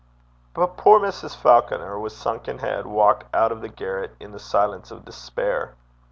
But poor Mrs. Falconer, with sunken head, walked out of the garret in the silence of despair.